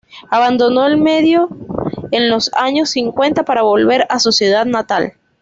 Abandonó el medio en los años cincuenta para volver a su ciudad natal.